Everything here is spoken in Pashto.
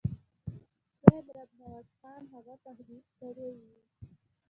شاید رب نواز خان هغه تهدید کړی وي.